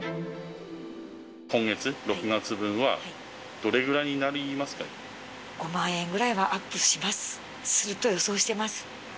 今月・６月分は、どれぐらい５万円ぐらいはアップします、すると予想してます。